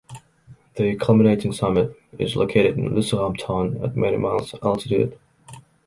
The culminating summit, is located in Lucéram Town at many miles altitude.